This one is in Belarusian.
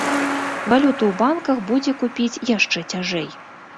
Валюту ў банках будзе купіць яшчэ цяжэй.